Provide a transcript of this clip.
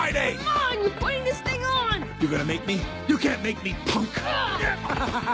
う！ハハハ！